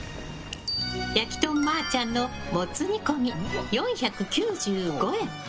やきとんまちゃんのもつ煮込み、４９５円。